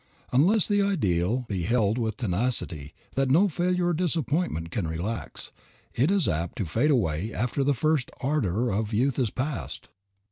Unless the ideal be held with a tenacity that no failure or disappointment can relax, it is apt to fade away after the first ardor of youth is past.